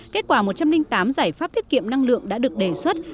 kết quả một trăm linh tám giải pháp tiết kiệm năng lượng đã được đề xuất